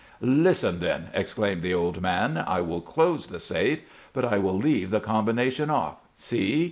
"Listen, then," exclaimed the old man. "I will close the safe, but I will leave the combination off. See!